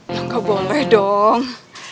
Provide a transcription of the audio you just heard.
ya gak boleh dong